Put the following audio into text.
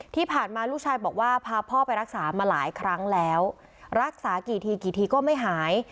ที่ผ่านมาลูกชายบอกว่าพาพ่อไปรักษามาหลายครั้งแล้วรักษากี่ทีกี่ทีก็ไม่หาย